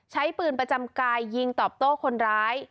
ใช้ปืนประจำกายยิงตอบโต้คนร้าย